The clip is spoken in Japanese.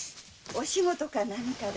お仕事か何かで？